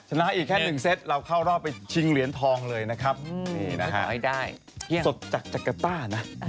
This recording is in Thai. ชนะอีกแค่๑เซตเราเข้ารอบไปชิงเหรียญทองเลยนะครับนี่นะฮะสดจากจักรต้านะ